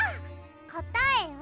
こたえは。